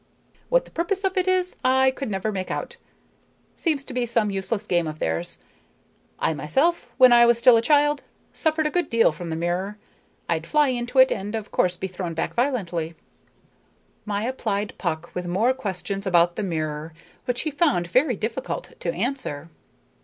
What the purpose of it is, I could never make out. Seems to be some useless game of theirs. I myself, when I was still a child, suffered a good deal from the mirror. I'd fly into it and of course be thrown back violently." Maya plied Puck with more questions about the mirror, which he found very difficult to answer.